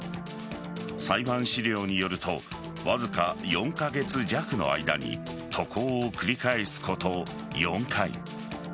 裁判資料によるとわずか４カ月弱の間に渡航を繰り返すこと４回。